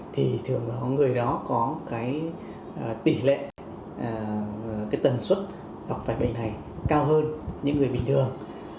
thì thường là người đó có cái tỷ lệ cái tần suất gặp phải bệnh này cao hơn những người bình thường